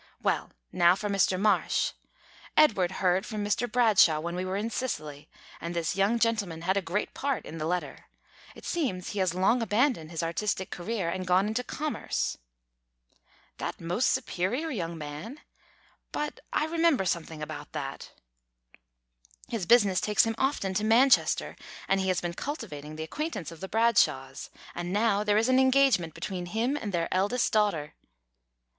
Well, now for Mr. Marsh. Edward heard from Mr. Bradshaw when we were in Sicily, and this young gentleman had a great part in the letter. It seems he has long abandoned his artistic career, and gone into commerce." "That most superior young man? But I remember something about that." "His business takes him often to Manchester, and he has been cultivating the acquaintance of the Bradshaws. And now there is an engagement between him and their eldest daughter."